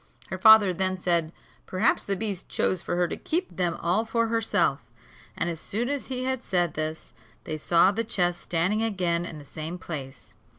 Her father then said, perhaps the beast chose for her to keep them all for herself; and as soon as he had said this, they saw the chest standing again in the same place.